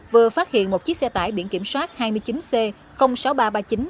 vừa phát hiện một chiếc xe tải biển kiểm soát hai mươi chín c sáu nghìn ba trăm ba mươi chín